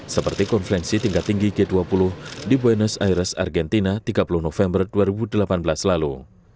seperti konferensi tingkat tinggi g dua puluh di buenos aires argentina tiga puluh november dua ribu delapan belas lalu